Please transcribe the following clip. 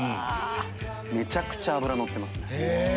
めちゃくちゃ脂のってますね。